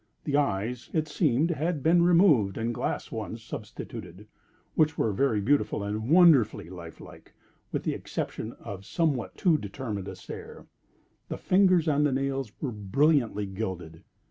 The eyes (it seemed) had been removed, and glass ones substituted, which were very beautiful and wonderfully life like, with the exception of somewhat too determined a stare. The fingers and the nails were brilliantly gilded.